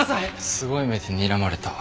すごい目でにらまれた。